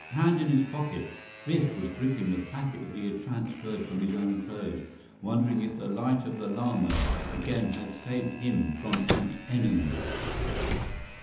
Hand in his pocket, Biff was gripping the packet that he had transferred from his own clothes, wondering if the Light of the Lama again had saved him from an enemy!